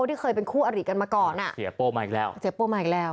ที่เคยเป็นคู่อริกันมาก่อนอ่ะเสียโป้มาอีกแล้วเสียโป้มาอีกแล้ว